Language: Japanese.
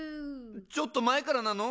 ちょっと前からなの？